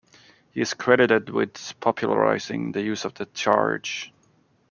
He is credited with popularizing the use of the Charge!